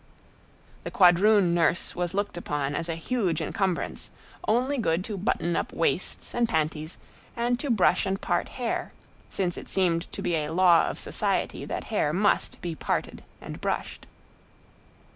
The quadroon nurse was looked upon as a huge encumbrance, only good to button up waists and panties and to brush and part hair; since it seemed to be a law of society that hair must be parted and brushed.